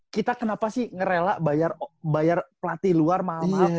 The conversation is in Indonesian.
kita kenapa sih ngerela bayar pelatih luar maaf maaf